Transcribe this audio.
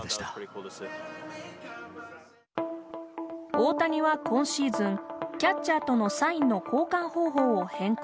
大谷は今シーズンキャッチャーとのサインの交換方法を変更。